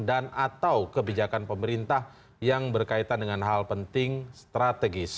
dan atau kebijakan pemerintah yang berkaitan dengan hal penting strategis